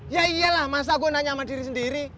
ya iyalah masa gue nanya sama diri sendiri